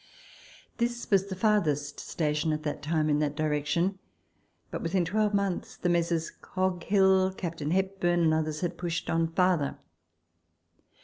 This was the farthest station at that time in that direction; but within twelvemonths the Messrs. Coghill, Captain Hepburn, and others had pushed on farther.